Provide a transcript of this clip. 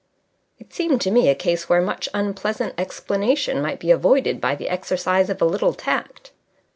It seemed to me a case where much unpleasant explanation might be avoided by the exercise of a little tact.